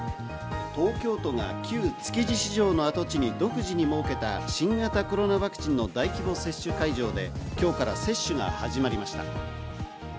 東京都が旧築地市場の跡地に独自に設けた新型コロナワクチンの大規模接種会場で今日から接種が始まりました。